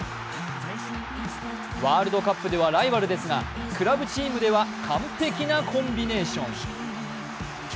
ワールドカップではライバルですが、クラブチームでは完璧なコンビネーション。